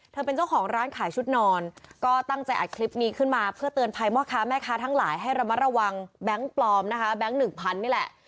เป็นเจ้าของร้านขายชุดนอนก็ตั้งใจอัดคลิปนี้ขึ้นมาเพื่อเตือนภัยพ่อค้าแม่ค้าทั้งหลายให้ระมัดระวังแบงค์ปลอมนะคะแบงค์หนึ่งพันนี่แหละ